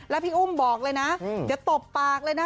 แล้วพี่อุ้มบอกเลยนะอย่าตบปากเลยนะ